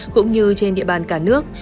cũng như trên địa bàn cả nước